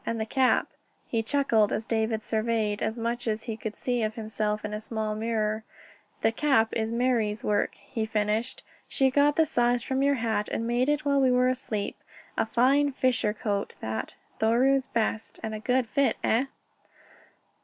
And the cap...." He chuckled as David surveyed as much as he could see of himself in a small mirror. "The cap is Marie's work," he finished. "She got the size from your hat and made it while we were asleep. A fine fisher coat that Thoreau's best. And a good fit, eh?"